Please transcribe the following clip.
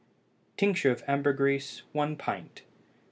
Tincture of ambergris 1 pint.